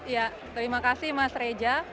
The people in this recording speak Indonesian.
ya terima kasih mas reja